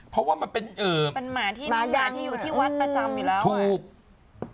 เพราะว่ามันเป็นหมาที่อยู่ที่วัดประจำอยู่แล้วอะ